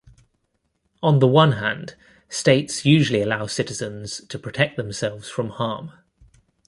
On the one hand, states usually allow citizens to protect themselves from harm.